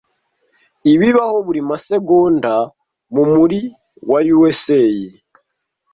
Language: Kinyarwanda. Ibibaho buri masegonda mumuri wa USA